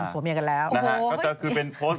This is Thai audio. ก็จะคือเป็นโพสต์